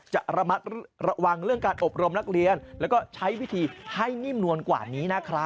จะระมัดระวังเรื่องการอบรมนักเรียนแล้วก็ใช้วิธีให้นิ่มนวลกว่านี้นะครับ